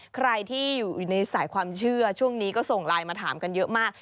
ใครที่อยู่ในสายความเชื่อช่วงนี้ก็ส่งไลน์มาถามกันเยอะมาก